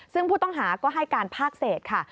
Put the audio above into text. ซึ่งผู้ต้องหาก็ให้การภาคเศษค่ะ